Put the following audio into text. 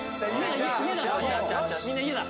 家みんな家だ